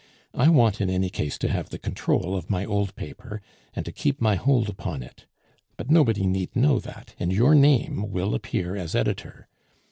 I want in any case to have the control of my old paper, and to keep my hold upon it; but nobody need know that, and your name will appear as editor.